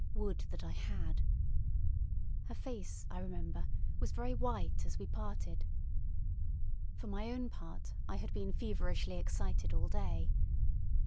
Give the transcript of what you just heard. Would that I had! Her face, I remember, was very white as we parted. For my own part, I had been feverishly excited all day.